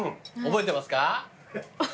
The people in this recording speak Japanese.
覚えてますよ。